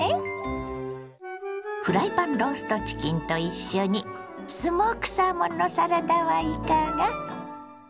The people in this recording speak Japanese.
フライパンローストチキンと一緒にスモークサーモンのサラダはいかが。